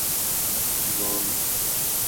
ہمانگ